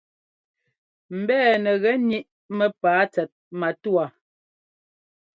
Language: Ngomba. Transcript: Mbɛ̂nɛ gɛ́ níʼ mɛ́pǎa tsɛt matúwa.